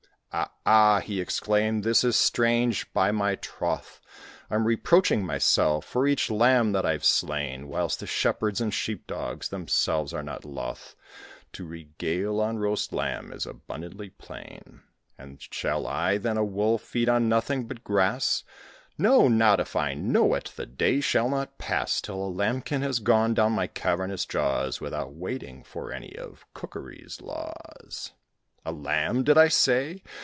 "Ah, ah!" he exclaimed, "this is strange, by my troth; I'm reproaching myself for each lamb that I've slain, Whilst the shepherds and sheep dogs themselves are not loth To regale on roast lamb is abundantly plain; And shall I, then, a Wolf, feed on nothing but grass? No, not if I know it! The day shall not pass Till a lambkin has gone down my cavernous jaws, Without waiting for any of cookery's laws. A lamb, did I say?